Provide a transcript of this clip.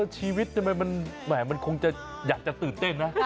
ชีวิตทำไมมันคงจะอยากจะตื่นเต้นนะ